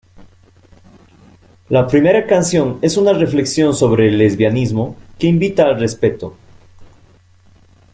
La primera canción es una reflexión sobre el lesbianismo que invita al respeto.